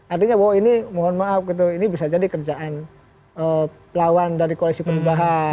artinya bahwa ini mohon maaf gitu ini bisa jadi kerjaan lawan dari koalisi perubahan